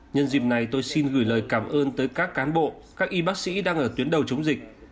nhân dịp này tôi xin gửi lời cảm ơn tới các cán bộ các y bác sĩ đang ở tuyến đầu chống dịch